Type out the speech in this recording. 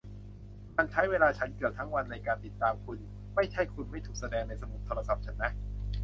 มันใช้เวลาฉันเกือบทั้งวันในการติดตามคุณ ไม่ใช่คุณไม่ถูกแสดงในสมุดโทรศัพท์ฉันนะ